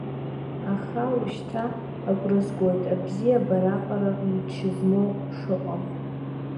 Аха ушьҭа агәра згоит, абзиабара аҟара мчы змоу шыҟам.